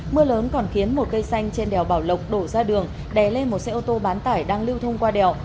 mưa lớn còn khiến một cây xanh trên đèo bảo lộc đổ ra đường đè lên một xe ô tô bán tải đang lưu thông qua đèo